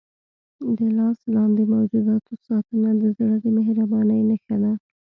د لاس لاندې موجوداتو ساتنه د زړه د مهربانۍ نښه ده.